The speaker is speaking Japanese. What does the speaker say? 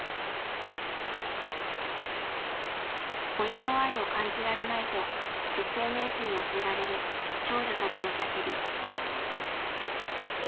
親の愛を感じられないとＳＮＳに寄せられる少女たちの叫び。